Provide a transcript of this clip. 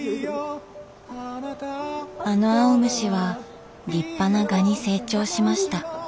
あの青虫は立派な蛾に成長しました。